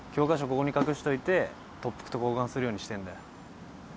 ここに隠しといて特服と交換するようにしてんだよ。